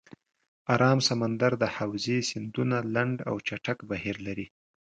آرام سمندر د حوزې سیندونه لنډ او چټک بهیر لري.